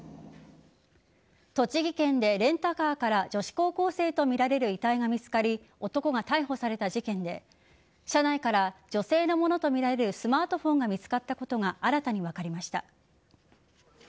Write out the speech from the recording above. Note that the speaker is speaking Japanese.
栃木県でレンタカーから女子高校生とみられる遺体が見つかり男が逮捕された事件で車内から女性のものとみられるスマートフォンが見つかったことが新たに分かりました。